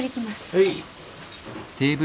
はい。